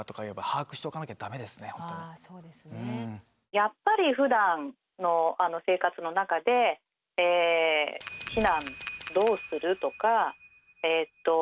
やっぱりふだんの生活の中で「避難どうする？」とかえっと